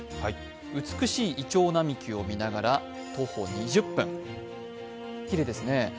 美しいいちょう並木を見ながら徒歩２０分、きれいですね。